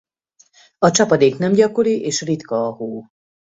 A csapadék nem gyakori és ritka a hó.